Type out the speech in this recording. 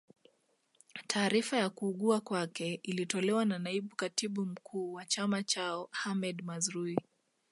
Taarifa ya kuugua kwake ilitolewa na naibu katibu mkuu wa chama chao Ahmed Mazrui